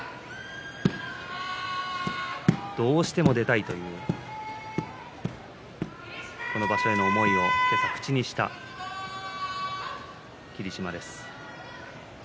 どうしても出たいというこの場所への思いを口にした霧島です。